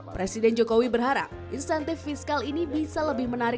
presiden jokowi berharap insentif fiskal ini bisa lebih menarik